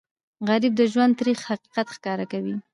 غریب د ژوند تریخ حقیقت ښکاره کوي